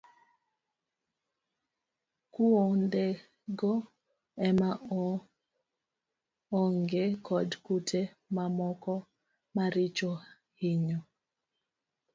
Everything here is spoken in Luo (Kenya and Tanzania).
Kuondego ema ong'oge kod kute mamoko maricho hinyo